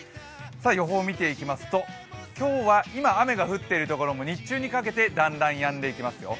予報を見ていきますと、今日は今雨が降っているところも日中にかけてだんだんやんでいきますよ。